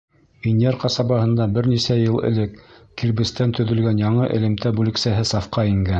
Инйәр ҡасабаһында бер нисә йыл элек кирбестән төҙөлгән яңы элемтә бүлексәһе сафҡа ингән.